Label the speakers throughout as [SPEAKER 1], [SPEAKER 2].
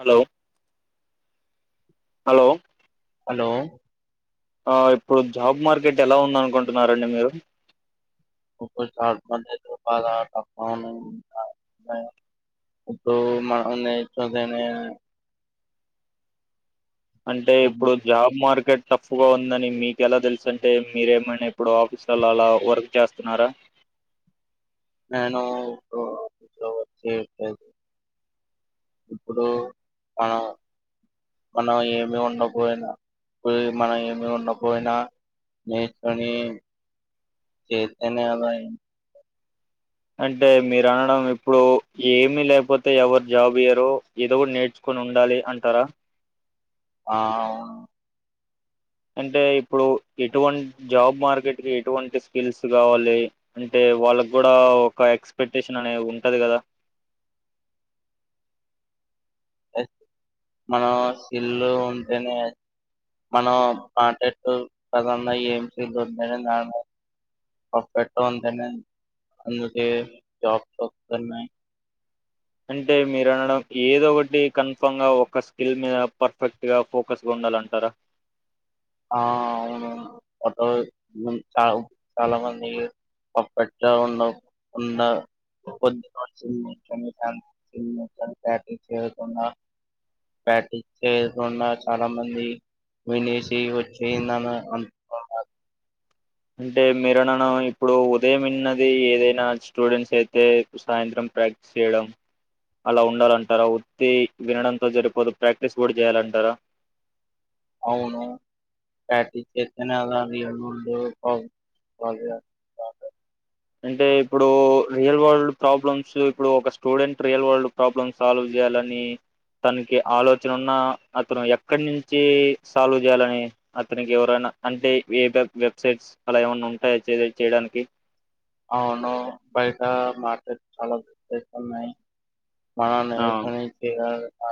[SPEAKER 1] Hello hello
[SPEAKER 2] hello
[SPEAKER 1] ఇప్పుడు job market ఎలా ఉంద అనుకుంటున్నారండి మీరు
[SPEAKER 2] చ మ బాల మ చధనే
[SPEAKER 1] అంటే ఇప్పుడు జాబ్ మార్క్ మార్కెట్ టఫ్గా ఉందని మీకు ఎలా తెలుసు అంటే మీరేమైనా ఇప్పుడు ఆఫీస్లలో అలా వర్క్ చేస్తున్నారా
[SPEAKER 2] నేను ఇప్పుడు ఆఫీస్ లో వచ్చేలేదు ఇప్పుడు మనం మనం ఏమి ఉండపోయినా ఇ మనం ఏమి ఉండపోయినా నేర్చుొని చేస్తనే అదయం
[SPEAKER 1] అంటే మీరు అనడం ఇప్పుడు ఏమిీ లేకపోతే ఎవరు జాబ్ ఇయ్యరో ఏదో కూడా నేర్చుకొని ఉండాలి అంటారా
[SPEAKER 2] ఆ
[SPEAKER 1] అంటే ఇప్పుడు ఎటువంటి జాబ్ మార్కెట్కి ఎటువంటి స్కిల్స్ కావాలి అంటే వాళ్ళకి కూడా ఒక ఎక్స్పెక్టేషన్ అనేది ఉంటంది కదా
[SPEAKER 2] మనం సిల్లు ఉంటేనే మనం పాంటట్టు కద ఏం సిల్ ఉంటేనే దా పప్పెట్ ఉంటేనే అందుకే జాబ్ వన్నాయి
[SPEAKER 1] అంటే మీరు అనడం ఏదో ఒకటి కన్ఫామ్ గా ఒక స్కిల్ మీద పర్ఫెక్ట్గా ఫోకస్గా ఉండాలంటారా
[SPEAKER 2] ఆ అవును ఫటో చ చాలా మంది ఒకక్కట్ ఉద్ చేయకుండా ప్రటీస్ చేయకుండా చాలా మంది వి చే వచ్చి నన్న అంత
[SPEAKER 1] అంటే మీరనను ఇప్పుడు ఉదయంన్నది ఏదైనా స్టూడెంట్స్ అయితే సాయంత్రం ప్రాక్టీస్ చేయడం అలా ఉండాలంటారా ఒత్తి వినడంతో సరిపోదు ప్రాక్టీస్ కూడా చేయాలంటారా
[SPEAKER 2] అవును పటి చతన
[SPEAKER 1] అంటే ఇప్పుడు రియల్ వరల్డ్ ప్రాబ్లమ్స్ ఇప్పుడు ఒక student real world problem solve చేయాలని తనకి ఆలోచన ఉన్నా అతను ఎక్కడి నుంచి సాల్వ్ చేయాలని అతనికి ఎవరైనా అంటే ఏ వెబ్సైట్స్ అలా ఏమన్నా ఉంటాయా చేయడానికి
[SPEAKER 2] అవును బయట మార్కెట్ చాలా గుతున్నాయి మ న
[SPEAKER 1] ఆ
[SPEAKER 2] ఏషనించి ఆ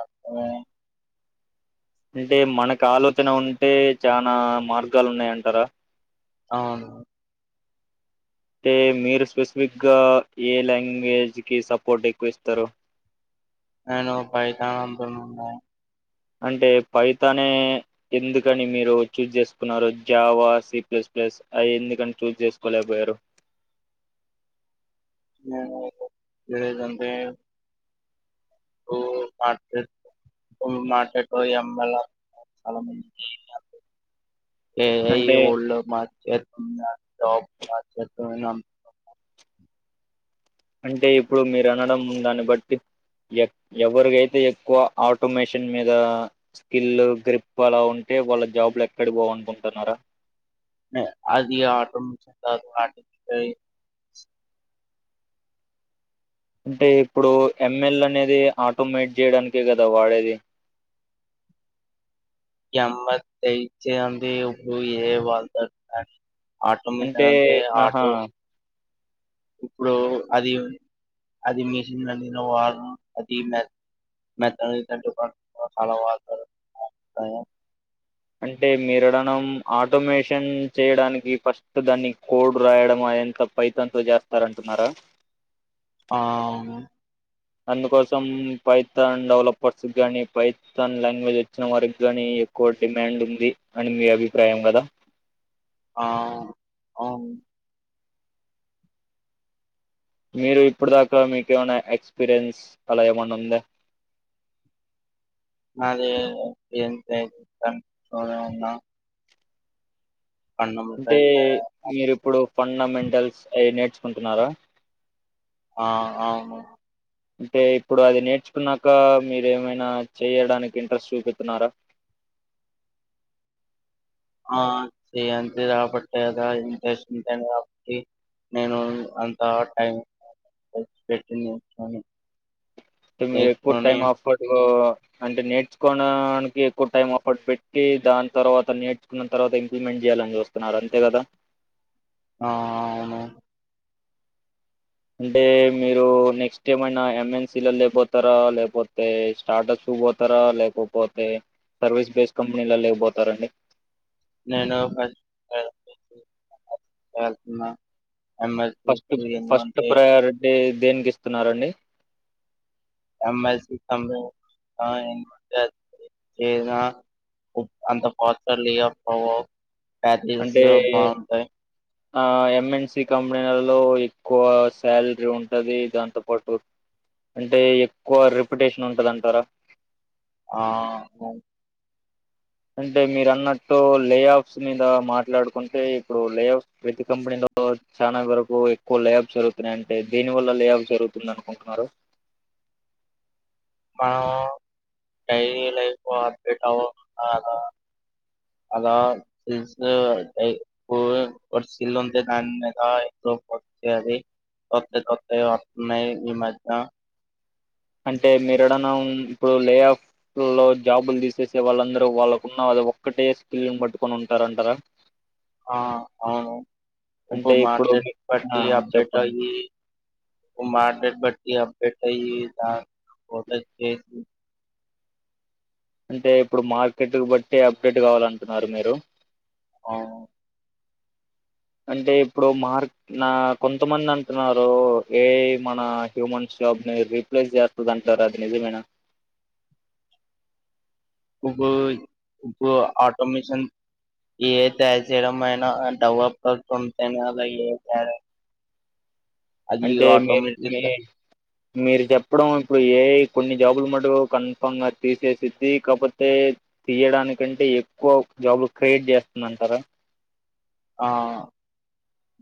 [SPEAKER 1] అంటే మనకు ఆలోచన ఉంటే చనా మార్గాలు ఉన్నాయంటారా
[SPEAKER 2] అవును
[SPEAKER 1] అంటతే మీరు స్పెసిఫిక్గా ఏ లాంగ్వేజ్కి సపోర్ట్ ఎక్కువ ఇస్తారు
[SPEAKER 2] నేను పైత అంటండ
[SPEAKER 1] అంటే పైతనే ఎందుకని మీరు చూజ్ చేసుకున్నారు జావా సిప్లేస్ ప్లేస్ అవి ఎందుకని చూజ్ చేసుకోలేకపోయారు
[SPEAKER 2] ఇడే కంద మాట మాట ట అమే చాల ఏ
[SPEAKER 1] అంటే
[SPEAKER 2] ఒల్ మా జబ్
[SPEAKER 1] అంటే ఇప్పుడు మీరు అనడం ఉందాన్ని బట్టి ఎ ఎవరికైతే ఎక్కువ ఆటోమేషన్ మీద స్కిల్ గ్రిప్ అలా ఉంటే వాళ్ళ జాబ్లు ఎక్కడికి పోవనుకుంటున్నారా
[SPEAKER 2] ఆది ఆటటి
[SPEAKER 1] అంటే ఇప్పుడు ఎంఎల్ అనేది ఆటోమేట్ చేయడానికే కదా వాడేది
[SPEAKER 2] ఎమ తెయిచ అంది ఎరు ఏ వాళ్తారు ఆటో
[SPEAKER 1] అంటే
[SPEAKER 2] మెషీన్ అంటి
[SPEAKER 1] ఆహా
[SPEAKER 2] ఆటో ఇప్పుడు అది అది మిషన్ నడిన వారం అది మె మెత్తంట చాలా వాత అ
[SPEAKER 1] అంటే మీరడన ఆటోమేషన్ చేయడానికి ఫస్ట్ దాన్ని కోడ్ రాయడం ఎంత పైతంత చేస్తారంటున్నారా
[SPEAKER 2] ఆ
[SPEAKER 1] అందుకోసం పైథాన్ డెవలపర్స్ కానీ పైథాన్ లాంగ్వేజ్ వచ్చిన వారికి కానీ ఎక్కువ డిమాండ్ ఉంది అని మీ అభిప్రాయం కదా
[SPEAKER 2] ఆ అఓ
[SPEAKER 1] మీరు ఇప్పుడు దాకా మీకు ఏమైనా ఎక్స్పీరియన్స్ అలా ఏమైన్నా ఉంది
[SPEAKER 2] నాదిన్నా
[SPEAKER 1] అంటే మీరి ఇప్పుడు ఫండమెంటల్స్ అయినెట్స్ నుకుంటున్నారా
[SPEAKER 2] ఆ అవు
[SPEAKER 1] అంటే ఇప్పుడు అది నేర్చుకున్నాక మీరు ఏమైనా చేయడానికి ఇంట్రెస్ట్ చూపితున్నారా
[SPEAKER 2] చే్యంత రాబట్టి కదా ఇంటెస్ ఉంటేని కాబట్టి నేను అంత టైం పెట్టిందించని
[SPEAKER 1] మీరు ఎక్కువ టైమ్ అఫడు అంటే నేర్చుకోడానికి ఎక్కువ టైం అఫర్ట్ పెట్టి దాని తర్వాత నేర్చుకున్న తర్వాత ఇంప్లిమెంట్ చేయాలని చూస్తున్నారు అంతే కదా
[SPEAKER 2] ఆ అవును
[SPEAKER 1] అంటే మీరు నెక్స్ట్ ఏమైనా ఎంఎన్సీల లేకపోతారా లేకపోతే స్టార్టప్స్ పోతారా లేకపోతే సర్వీస్ బేస్డ్ కంపెనీల లేకపోతారా అండి
[SPEAKER 2] నేనుతున్నా
[SPEAKER 1] ఫస్ట్ ఫస్ట్ ప్రయారిటీ దేనికి ఇస్తున్నారండి
[SPEAKER 2] ఎ అంత కోస
[SPEAKER 1] అంటే
[SPEAKER 2] బాగుంటాయ్
[SPEAKER 1] ఆ ఎంఎన్ సి కంపెనీలలో ఎక్కువ సాలరీ ఉంటుంది దాంతో పాటు అంటే ఎక్కువ రిప్యుటేషన్ ఉంటంది అంటారా
[SPEAKER 2] ఆ
[SPEAKER 1] అంటే మీరు అన్నట్టు లేఅఫ్స్ మీద మాట్లాడుకుంటే ఇప్పుడు లేఅఫ్స్ ప్రతి కంపెనీలో చానా వరకు ఎక్కువ లేఅఫ్స్ జరుగుతున్నాయ అంటే దేని వల్ల లేఅఫ్ జరుగుతుంది అనుకుంటున్నారు
[SPEAKER 2] మ డైలీ లైఫ్ అప్డేట్ అ అలా అలా సిల్స్ సిల్ ఉంటే దాని మీద ఇట్లో వచ్చే అది తత్త తత్త వస్తున్నాయి ఈ మధ్య
[SPEAKER 1] అంటే మీరడనా ఇప్పుడు లే ఆఫ్ లో జాబులు తీసేసే వాళ్ళందరూ వాళ్ళకున్న అది ఒక్కటే స్కిల్ని పట్టుకొని ఉంటారంటారా
[SPEAKER 2] ఆ అవును ఇప్పు
[SPEAKER 1] అంటే ఇప్పుడు
[SPEAKER 2] మార్కట్
[SPEAKER 1] మీ ఆ
[SPEAKER 2] పట్టి అప్డేట్
[SPEAKER 1] చెప్పండి
[SPEAKER 2] అయి ఇప్పు మార్కెట్ పటి అప్ డటై దా బే
[SPEAKER 1] అంటే ఇప్పుడు మార్కెట్కు బట్టి అప్డేట్ కావాలంటున్నారు మీరు
[SPEAKER 2] ఔ
[SPEAKER 1] అంటే ఇప్పుడు మార్క్ నా కొంతమంది అంటున్నారు ఏఐ మన హ్యూమన్స్ జాబ్ ని రీప్లేస్ చేస్తది అంటారు అది నిజమేనా
[SPEAKER 2] ఇప్పు ఇప్పు ఆటోమేషన్ ఏ తయారు చేయడం అయినా డెవలప్ర్ ఉ అలా ఏ తయార
[SPEAKER 1] అంటే మీరు మీ మీరు చెప్పడం ఇప్పుడు ఏఐ కొన్ని జాబులు మటుకు కన్ఫామ్ గా తీసేసింది కాపోతే తీయడానికంటే ఎక్కువ జాబులు క్రియేట్ చేస్తుంది అంటారా
[SPEAKER 2] ఆ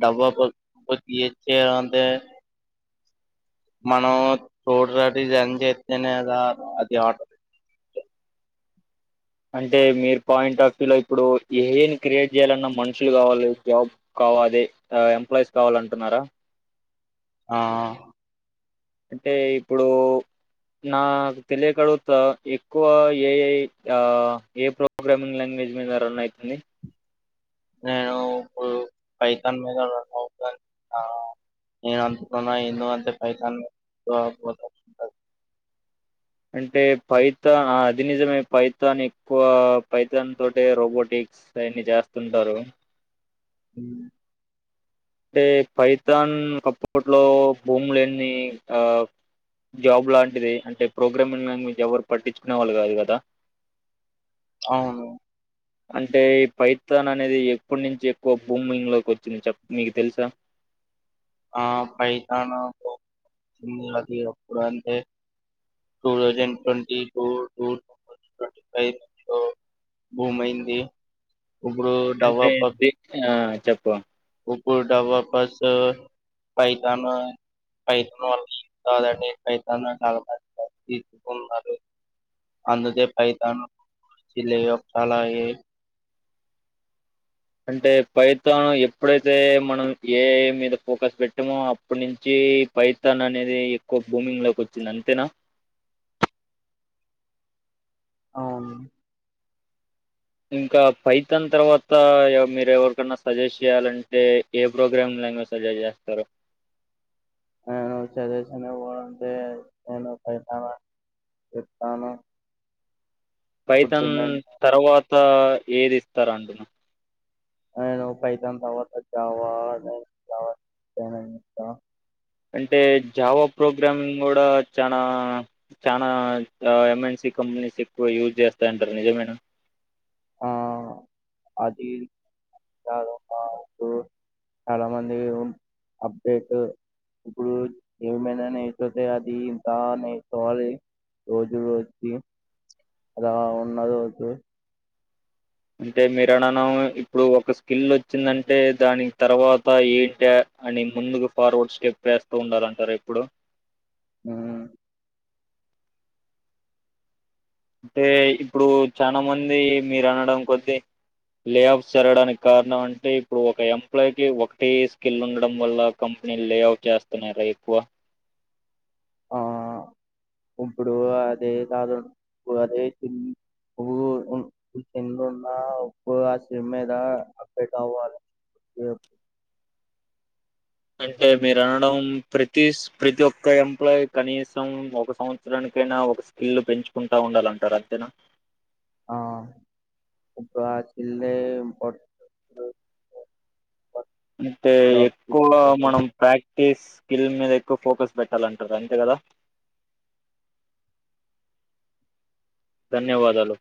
[SPEAKER 2] డబ్బాచ్చంటే మనం చోడటి రన్ చేస్తేనేదా అది ఆట
[SPEAKER 1] అంటే మీరు పాయింట్ ఆఫ్ వ్యూ లో ఇప్పుడు ఏం క్రియేట్ చేయ్యాలన్నా మనుషులు కావాలి జాబ్ కావాల అదే ఎంప్లాయీస్ కావాలంటున్నారా
[SPEAKER 2] ఆ
[SPEAKER 1] అంటే ఇప్పుడు నాకు తెలియకడుగుత ఎక్కువ ఏఐ ఆ ఏ ప్రోగ్రామింగ్ లాంగ్వేజ్ మీద రన్ అయితుంది
[SPEAKER 2] నేను ఇప్పుడు పైతాన్ మీద రన్ అవుత నేను అనుకుంటన్నా ఎందో అంత పైతాన్ ఇగ పోంట ఉంటది
[SPEAKER 1] అంటే పైతా అది నిజమే పైతాన్ ఎక్కువ పైతాన్ తోటే రోబోటిక్స్ అయన్ని చేస్తుంటారు
[SPEAKER 2] మ్
[SPEAKER 1] అంటే పైతాన్ అప్పట్లో భూమి లేని ఆ జాబ్ లాంటిది అంటే ప్రోగ్రామింగ్ లాంగ్వేజ్ ఎవరు పట్టించుకునే వాళ్ళు కాదు కదా
[SPEAKER 2] అవును
[SPEAKER 1] అంటే ఈ పైతాన్ అనేది ఎప్పటి నుంచి ఎక్కువ భూమింగ్ లోకి వచ్చింది చెప్ మీకు తెలుసా
[SPEAKER 2] ఆ పైతాన్ తో భూమింగ్లకి ఎప్పుడు అంటే two thousand twenty two thousand twenty five లో భూమ్ అయింది ఇప్పుడు
[SPEAKER 1] ఐతే
[SPEAKER 2] డెవలపర్
[SPEAKER 1] ఎంటి ఆ చెప్ప
[SPEAKER 2] ఇప్పుడు డెవలపర్స్ పైతాన్ పైతాన్ల కాదండి పైతాన్ తీసుకున్నారు [unintelligible] అందుకే పైతాన్
[SPEAKER 1] అంటే పైథాన్ ఎప్పుడైతే మనం ఏఐ మీద ఫోకస్ పెట్టామో అప్పటి నుంచి పైథాన్ అనేది ఎక్కువ భూమింగ్ లోకి వచ్చింది అంతేనా
[SPEAKER 2] అవును
[SPEAKER 1] ఇంకా పైతన్ తర్వాత మీరు ఎవరికన్నా సజెస్ట్ చేయాలంటే ఏ ప్రోగ్రామింగ్ లాంగ్వేజ్ సజెస్ట్ చేస్తారు
[SPEAKER 2] నేను చదువేసింది కూడా అంటే నేను పైతనే చెప్తాను ఇప్పుడు
[SPEAKER 1] పైతన్
[SPEAKER 2] డిమాండ్
[SPEAKER 1] తర్వాత ఏది ఇస్తారు అంటున
[SPEAKER 2] నేను పైతన్ తరువాత జావా చేయమని చప్పుత
[SPEAKER 1] అంటే జావా ప్రోగ్రామింగ్ కూడా చానా చానా ఎంఎన్సి కంపెనీస్ ఎక్కువ యూజ్ చేస్తాయంటారు నిజమెన
[SPEAKER 2] ఆ అది చాలు ఒక ఒకు చాలా మంది అప్డేట్ ఇప్పుడు ఏమైనా నేర్చుతే అది ఇంత నేర్చకోవాలి రోజు రోజుకి అలా ఉన్న రోజు
[SPEAKER 1] అంటే మీరు అనను ఇప్పుడు ఒక స్కిల్ వచ్చిందంటే దానికి తర్వాత ఏంటి అని ముందుకు ఫార్వర్డ్ స్టెప్ వేస్తూ ఉండాలంటారు ఇప్పుడు
[SPEAKER 2] ఉ
[SPEAKER 1] అంటే ఇప్పుడు చానా మంది మీరు అనడం కొద్దీ లేఅఫ్స్ జరగడానికి కారణం అంటే ఇప్పుడు ఒక ఎంప్లోయ్ కి ఒకటే స్కిల్ ఉండడం వల్ల కంపెనీ లేఅఫ్ చేస్తున్నార ఎక్కువ
[SPEAKER 2] ఆ ఇప్పుడు అదే కాదు అదే స్కిల్ నువు స్కిల్ ఉన్నప్పుడు ఆ స్కిల్ మీద అప్డేట్ అవ్వాలే
[SPEAKER 1] అంటే మీరు అనడం ప్రతిస్ ప్రతి ఒక్క ఎంప్లాయీ కనీసం ఒక సంవత్సరానికైనా ఒక స్కిల్ పెంచుకుంటా ఉండాలంటర అంతేనా
[SPEAKER 2] ఆ ఒక స్కిల్లే ఇంప్
[SPEAKER 1] అంటే ఎక్కువగా
[SPEAKER 2] జాబ్
[SPEAKER 1] మనం ప్యాక్ కేస్ స్కిల్ మీద ఎక్కువ ఫోకస్ పెట్టాలంటారు. అంతే కదా. ధన్యవాదాలు.